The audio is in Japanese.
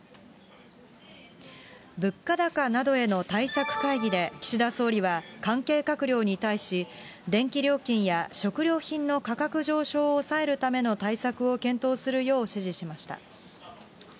物価高などへの対策会議で岸田総理は、関係閣僚に対し、電気料金や食料品の価格上昇を抑えるための対策を検討するよう指示しました。